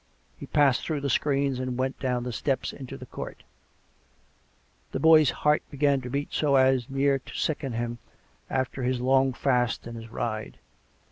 He passed through the screens and went down the steps into the court. The boy's heart began to beat so as near to sicken him after his long fast and his ride.